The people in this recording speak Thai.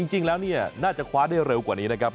จริงแล้วเนี่ยน่าจะคว้าได้เร็วกว่านี้นะครับ